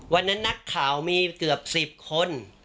วันนั้นนักข่าวมีเกือบ๑๐คน